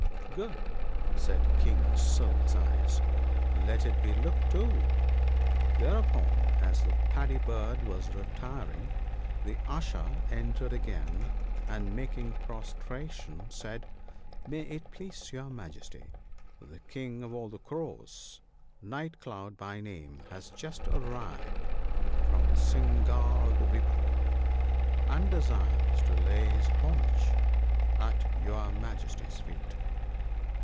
" Good !" said King Silver sides ;" let it be looked to." Thereupon, as the Paddy bird was retiring, the Usher entered again, and making prostration, said : "May it please your Majesty, the King of all the Crows, Night cloud by name, has just arrived from Singhaladwipa, (* 6 ) and desires to lay his homage at your Majesty's' feet."